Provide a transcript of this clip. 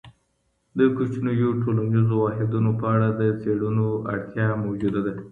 د کوچنیو ټولنیزو واحدونو په اړه د څیړنو اړتیا موجوده ده.